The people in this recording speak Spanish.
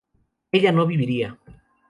ella no viviría